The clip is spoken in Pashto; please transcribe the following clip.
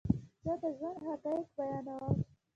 زه دژوند حقایق بیانوم